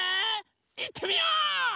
いってみよう！